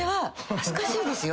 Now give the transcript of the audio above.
恥ずかしいですよ。